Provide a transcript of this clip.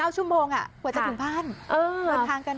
๘๙ชั่วโมงอะกว่าจะถึงพ่าน